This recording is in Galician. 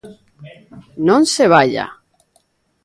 ¡Non se vaia!